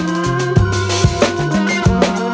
nggak ada yang denger